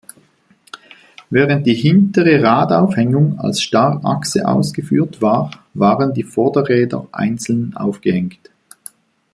Während die hintere Radaufhängung als Starrachse ausgeführt war, waren die Vorderräder einzeln aufgehängt.